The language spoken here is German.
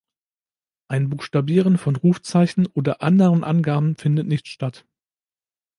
Ein Buchstabieren von Rufzeichen oder anderen Angaben findet nicht statt.